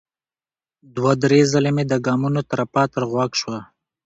دوه ـ درې ځلې مې د ګامونو ترپا تر غوږ شوه.